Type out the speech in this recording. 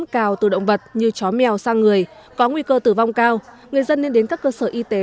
cao từ động vật như chó mèo sang người có nguy cơ tử vong cao người dân nên đến các cơ sở y tế